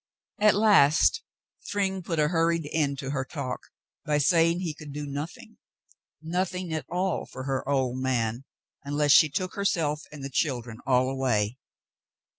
At last Thryng put a hurried end to her talk by saying he could do nothing — nothing at all for her old man, un less she took herself and the children all away.